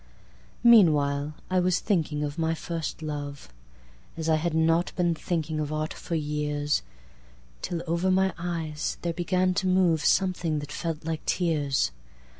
Meanwhile, I was thinking of my first love, As I had not been thinking of aught for years, Till over my eyes there began to moveSomething that felt like tears.